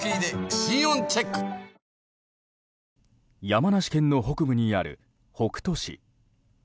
山梨県の北部にある北杜市。